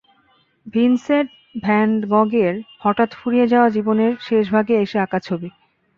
Vincent van গঘের হঠাৎ ফুরিয়ে যাওয়া জীবনের শেষভাগে এসে আঁকা ছবি।